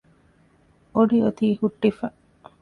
އޮޑި އޮތީ ހުއްޓިފަ